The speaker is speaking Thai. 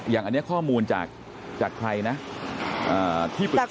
อย่างนี้ข้อมูลจากใครนะที่ปรึกษา